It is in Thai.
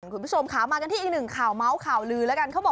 คุณผู้ชมขาวมากันที่อีกนึงข่าวเมาส์ข่า๋อลื้อ